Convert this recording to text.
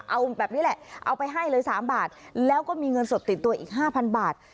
เอาแบบนี้แหละเอาไปให้เลย๓บาทแล้วก็มีเงินสดติดตัวอีก๕๐๐บาท